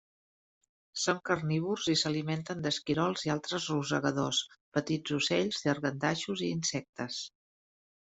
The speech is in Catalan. Són carnívors i s'alimenten d'esquirols i altres rosegadors, petits ocells, llangardaixos i insectes.